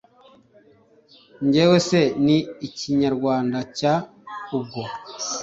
Njyewe se ni ikinyarwanda cya ubwo